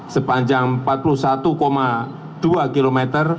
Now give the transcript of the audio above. sepanjang empat puluh satu dua km